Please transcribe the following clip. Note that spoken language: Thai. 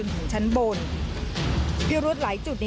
มีความรู้สึกว่า